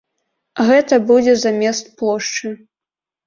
Гэта будзе замест плошчы.